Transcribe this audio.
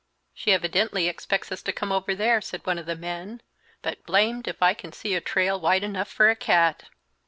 "She evidently expects us to come over there," said one of the men, "but blamed if I can see a trail wide enough for a cat!"